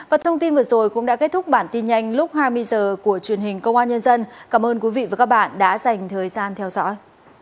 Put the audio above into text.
và thông tin vừa rồi cũng đã kết thúc bản tin nhanh lúc hai mươi h của truyền hình công an nhân dân cảm ơn quý vị và các bạn đã dành thời gian theo dõi